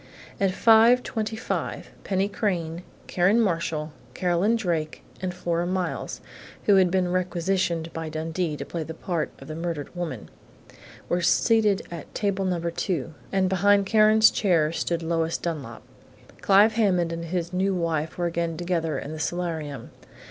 At 5:25, Penny Crain, Karen Marshall, Carolyn Drake, and Flora Miles, who had been requisitioned by Dundee to play the part of the murdered woman, were seated at table No. 2, and behind Karen's chair stood Lois Dunlap. Clive Hammond and his new wife were again together in the solarium.